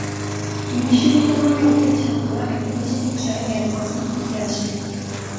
বিশ্ববিদ্যালয়ে একজন ছাত্র একটি বিশেষ বিষয়ে বিশেষ জ্ঞান অর্জন করতে আসেন।